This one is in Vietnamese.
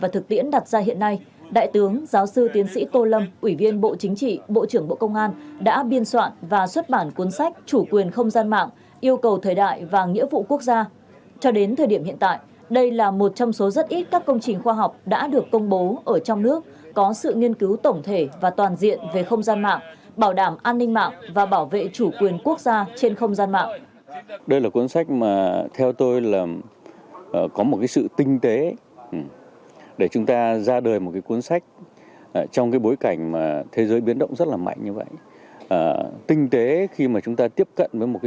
thượng tướng giáo sư tiến sĩ tô lâm ủy viên trung ương đảng thứ trưởng bộ công an nhân dân đến điểm cầu trường đại học an ninh nhân dân đến điểm cầu trường đại học an ninh nhân dân đến điểm cầu